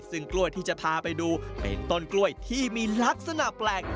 ซึ่งกล้วยที่จะพาไปดูเป็นต้นกล้วยที่มีลักษณะแปลก